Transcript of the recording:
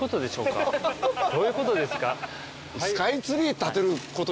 どういうことですか？